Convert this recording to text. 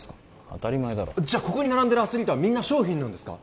当たり前だろじゃあここに並んでるアスリートはみんな商品なんですか？